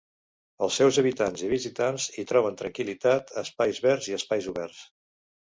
Els seus habitants i visitants hi troben tranquil·litat, espais verds i espais oberts.